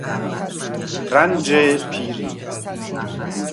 رنج پیری